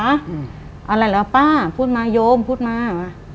อะไรล่ะป่าพูดมาโยมพูดมา